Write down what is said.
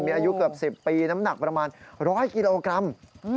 มีอายุเกือบ๑๐ปีน้ำหนักประมาณ๑๐๐กิโลกรัม